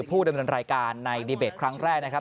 ผู้ดำเนินรายการในดีเบตครั้งแรกนะครับ